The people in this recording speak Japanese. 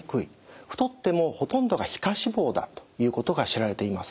太ってもほとんどが皮下脂肪だということが知られています。